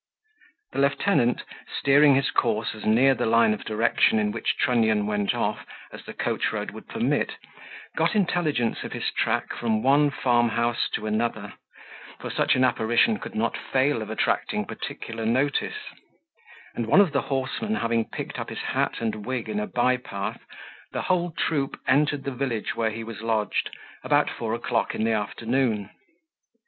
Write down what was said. The lieutenant, steering his course as near the line of direction in which Trunnion went off, as the coach road would permit, got intelligence of his track from one farm house to another; for such an apparition could not fail of attracting particular notice; and one of the horsemen having picked up his hat and wig in a by path, the whole troop entered the village where he was lodged, about four o'clock in the afternoon.